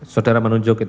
saudara menunjuk itu